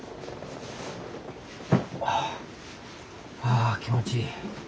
あ気持ちいい。